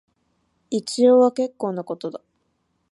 一応は結構なことだ